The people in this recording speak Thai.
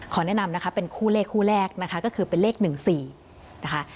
แนะนำนะคะเป็นคู่เลขคู่แรกนะคะก็คือเป็นเลข๑๔นะคะ